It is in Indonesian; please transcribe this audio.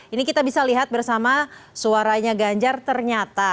ini kita bisa lihat bersama suaranya ganjar ternyata